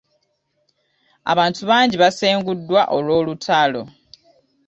Abantu bangi basenguddwa olw'olutalo .